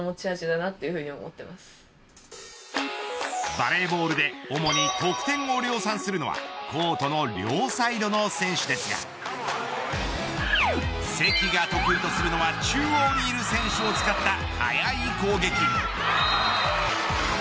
バレーボールで主に得点を量産するのはコートの両サイドの選手ですが関が得意とするのは中央にいる選手を使った速い攻撃。